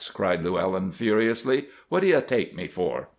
cried Llewellyn, furiously. "What do you take me for?"